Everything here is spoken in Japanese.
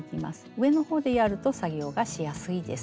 上の方でやると作業がしやすいです。